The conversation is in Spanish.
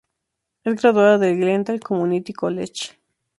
Es graduada del "Glendale Community College".